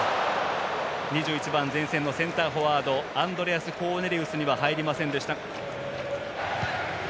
２１番前線のセンターフォワードコーネリウスには入りませんでした。